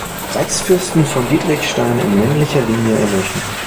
Reichsfürsten von Dietrichstein in männlicher Linie erloschen.